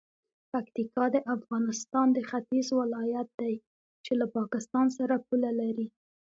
پکتیکا د افغانستان د ختیځ ولایت دی چې له پاکستان سره پوله لري.